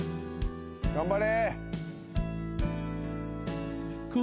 頑張れ！